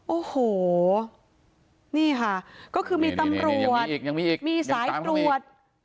โอ้โหนี่ค่ะก็คือมีตำรวจมีสายตรวจ